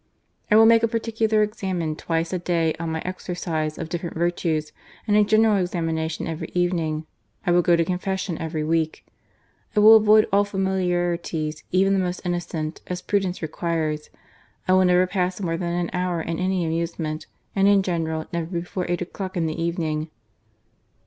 \" I will make a particular examen twice a day on my exercise of different virtues, and a general examination every evening. I will go to confession every week. " I will avoid all familiarities, even the most innocent, as prudence requires. I will never pass more than an hour in any amusement, and in general, never before eight o'clock in the evening."